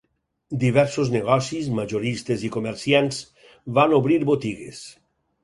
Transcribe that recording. Diversos negocis, majoristes i comerciants, van obrir botigues.